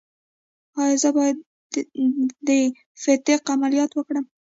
ایا زه باید د فتق عملیات وکړم؟